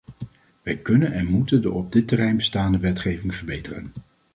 Wij kunnen en moeten de op dit terrein bestaande wetgeving verbeteren.